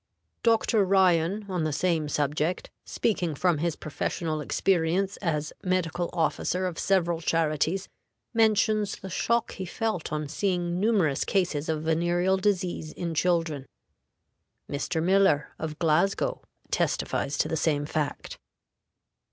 Dr. Ryan, on the same subject, speaking from his professional experience as medical officer of several charities, mentions the shock he felt on seeing numerous cases of venereal disease in children. Mr. Miller, of Glasgow, testifies to the same fact.